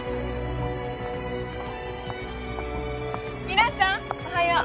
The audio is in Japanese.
皆さんおはよう。